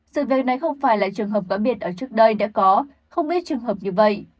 sự việc này không phải là trường hợp cá biệt ở trước đây đã có không ít trường hợp như vậy